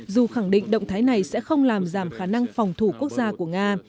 dù khẳng định động thái này sẽ không làm giảm khả năng phòng thủ quốc gia của nga